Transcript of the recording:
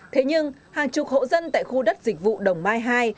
thế nhưng hàng chục hộ dân tại khu đất dịch vụ đồng mai hai